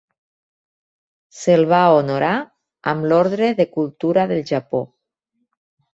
Se'l va honorar amb l'Ordre de Cultura del Japó.